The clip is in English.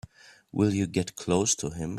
Will you get close to him?